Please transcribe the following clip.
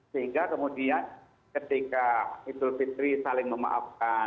sehingga kemudian ketika idul fitri saling memaafkan